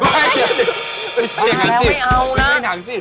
ไม่ไม่ใช่อย่างงั้นสิ